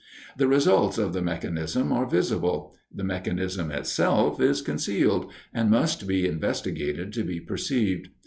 The results of the mechanism are visible; the mechanism itself is concealed, and must be investigated to be perceived.